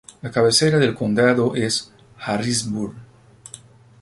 La cabecera del condado es Harrisburg.